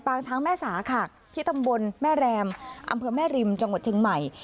ช้างแม่สาค่ะที่ตำบลแม่แรมอำเภอแม่ริมจังหวัดเชียงใหม่